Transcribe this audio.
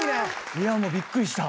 いやもうびっくりした。